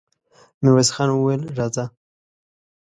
ميرويس خان وويل: راځه!